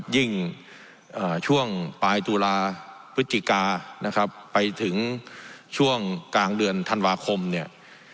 ยิ่งช่วงปลายตุลาพฤศจิกานะครับไปถึงช่วงกลางเดือนธันวาคมเนี่ย